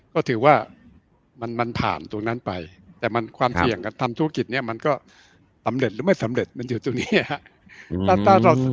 ก็ถือว่ามันผ่านตรงนั้นไปแต่มันความเสี่ยงการทำธุรกิจเนี่ยมันก็สำเร็จหรือไม่สำเร็จมันอยู่ตรงนี้ครับ